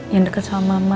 yang deket sama mama